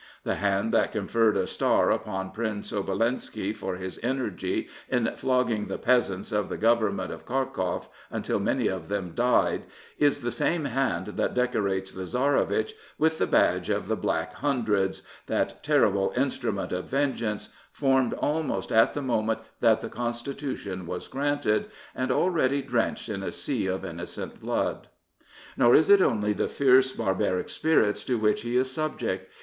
The hand that conferred a star upon Prince Obolensky for his energy in flogging the peasants of the Government of Kharkoff until many of them died is the same hand that decorates the Tsarevitch with the badge of the Black Hundreds, that terrible instrument of venge ance, formed almost at the moment that the Constitu tion was granted, and already drenched in a sea of innocent blood. Nor is it only the fierce, barbaric spirits to which he is subject.